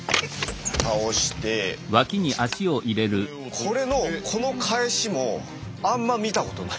これのこの返しもあんま見たことない。